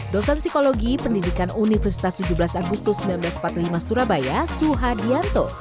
dosen psikologi pendidikan universitas tujuh belas agustus seribu sembilan ratus empat puluh lima surabaya suhadianto